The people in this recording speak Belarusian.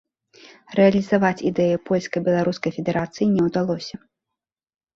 Рэалізаваць ідэю польска-беларускай федэрацыі не ўдалося.